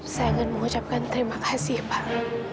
saya ingin mengucapkan terima kasih pak